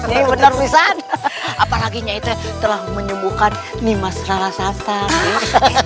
apalagi nyai telah menyembuhkan nimas ralasantang